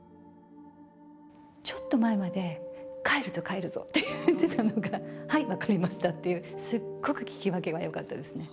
ちょっと前まで、帰るぞ、帰るぞって言ってたのが、はい、分かりましたっていう、すっごく聞き分けはよかったですね。